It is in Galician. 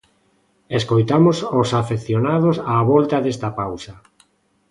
Escoitamos os afeccionados á volta desta pausa.